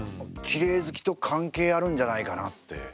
きれい好きと関係あるんじゃないかなって。